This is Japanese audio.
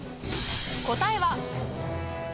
答えは？